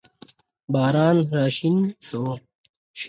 باران راشین شو